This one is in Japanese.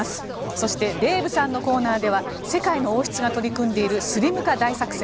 そしてデーブさんのコーナーでは世界の王室が取り組んでいるスリム化大作戦。